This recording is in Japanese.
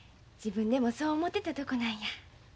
自分でもそう思うてたとこなんや。